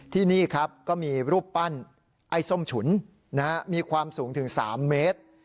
ที่นี่ครับก็มีรูปปั้นไอ้ส้มฉุนมีความสูงถึง๓เมตร